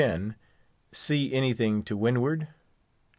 2110, "_See anything to windward?